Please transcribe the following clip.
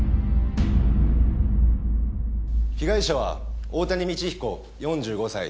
被害者は大谷道彦４５歳。